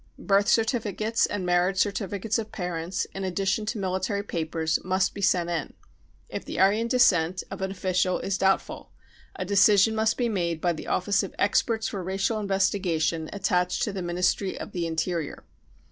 Birth certificates and marriage certificates of parents, in addition to military papers, must be sent in. If the Aryan descent of an official is doubtful, a decision must be made by the office of experts for racial investigation attached to the Ministry of the Interior.